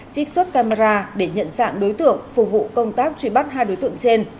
trích xuất camera để nhận dạng đối tượng phục vụ công tác truy bắt hai đối tượng trên